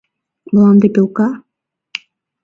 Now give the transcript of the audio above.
Мланде пӧлка?..